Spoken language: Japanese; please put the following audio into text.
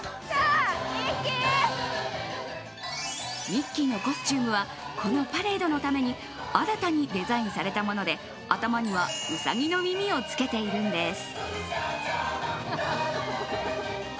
ミッキーのコスチュームはこのパレードのために新たにデザインされたもので頭にはウサギの耳をつけているんです。